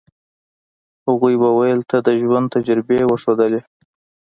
هغوی یو بل ته د ژوند تجربې وښودلې.